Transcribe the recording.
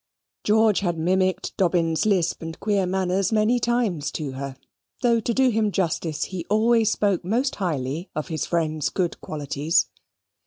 George had mimicked Dobbin's lisp and queer manners many times to her, though to do him justice, he always spoke most highly of his friend's good qualities.